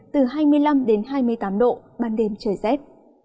từ hai mươi năm đến hai mươi tám độ ban đêm trời rét